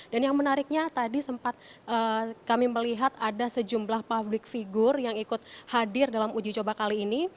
dan yang menariknya tadi sempat kami melihat ada sejumlah publik figur yang ikut hadir dalam uji coba kali ini